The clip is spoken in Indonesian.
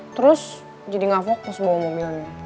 terus jadi gak fokus bawa mobilnya